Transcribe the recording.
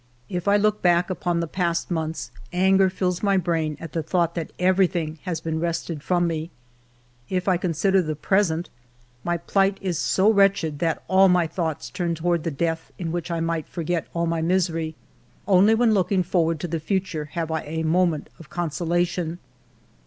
If I look back upon the past months, anger fills my brain at the thought that everything has been wrested from me. If I consider the present, my plight is so wretched that all my thoughts turn toward the death in which I might forget all my misery. Only when looking forward to the future have I a moment of consolation.